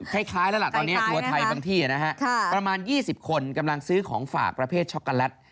คล้ายแล้วล่ะตอนนี้ทัวร์ไทยบางที่นะฮะประมาณ๒๐คนกำลังซื้อของฝากประเภทช็อกโกแลต